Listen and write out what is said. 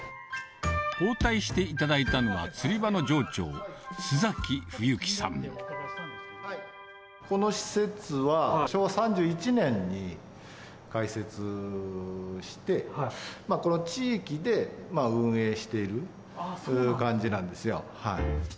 応対していただいたのは、釣り場の場長、この施設は、昭和３１年に開設して、この地域で運営している感じなんですよ。